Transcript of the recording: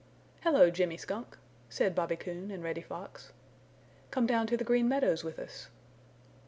"Hello, Jimmy Skunk!" said Bobby Coon and Reddy Fox. "Come down to the Green Meadows with us."